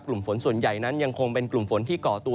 กลุ่มฝนส่วนใหญ่นั้นยังคงเป็นกลุ่มฝนที่ก่อตัว